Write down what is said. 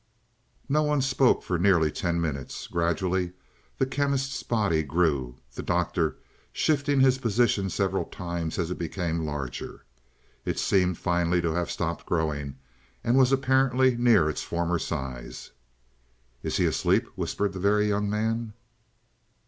No one spoke for nearly ten minutes. Gradually the Chemist's body grew, the Doctor shifting his position several times as it became larger. It seemed finally to have stopped growing, and was apparently nearly its former size. "Is he asleep?" whispered the Very Young Man.